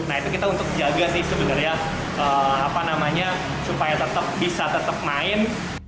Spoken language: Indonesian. nah itu kita untuk jaga sih sebenarnya supaya bisa tetap main